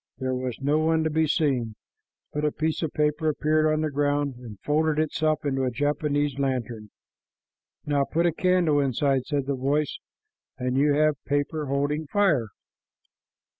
There was no one to be seen, but a piece of paper appeared on the ground and folded itself into a Japanese lantern. "Now put a candle inside," said the voice, "and you have paper holding fire.